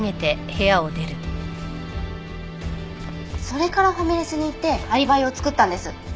それからファミレスに行ってアリバイを作ったんです。